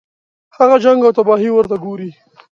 هغه جنګ او تباهي ورته ګوري.